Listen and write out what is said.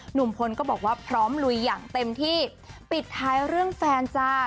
หนุ่มพลก็บอกว่าพร้อมลุยอย่างเต็มที่ปิดท้ายเรื่องแฟนจ้า